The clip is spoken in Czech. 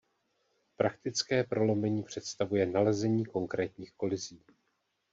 Praktické prolomení představuje nalezení konkrétních kolizí.